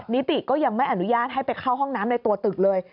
นิติก็ยังไม่อนุญาตให้ไปเข้าห้องน้ำในตัวตึกเลย